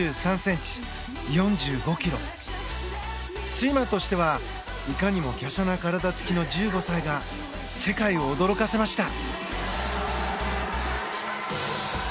スイマーとしてはいかにも華奢な体つきの１５歳が世界を驚かせました。